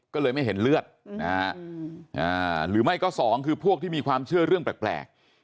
ก็เลยไม่เห็นเลือดนะฮะหรือไม่ก็สองคือพวกที่มีความเชื่อเรื่องแปลก